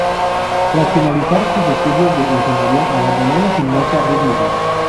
Tras finalizar sus estudios de Ingeniería, abandonó la gimnasia rítmica.